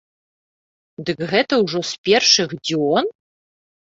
Дык гэта ўжо з першых дзён?!